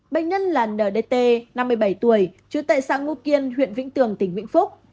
bệnh nhân là nđt năm mươi bảy tuổi chứa tại xã ngu kiên huyện vĩnh tường tỉnh vĩnh phúc